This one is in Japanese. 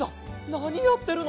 なにやってるの？